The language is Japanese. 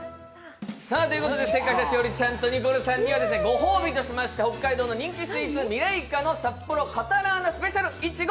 正解した栞里ちゃんとニコルさんにはご褒美としまして北海道の人気スイーツ、みれい菓の札幌カタラーナスペシャルいちご